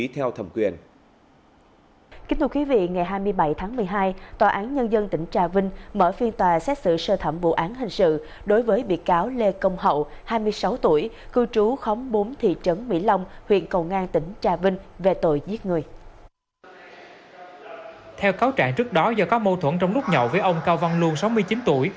theo cáo trạng trước đó do có mâu thuẫn trong lúc nhậu với ông cao văn luân sáu mươi chín tuổi